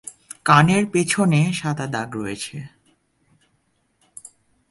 কানের পেছনে সাদা দাগ রয়েছে।